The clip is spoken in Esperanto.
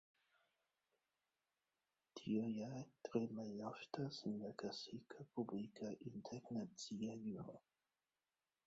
Tio ja tre maloftas en la klasika publika internacia juro.